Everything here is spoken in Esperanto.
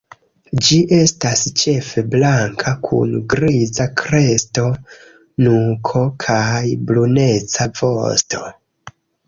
Ĝi estas ĉefe blanka, kun griza kresto, nuko kaj bruneca vosto.